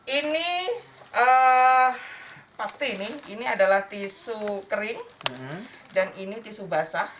ini pasti ini ini adalah tisu kering dan ini tisu basah